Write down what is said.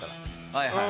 はいはい。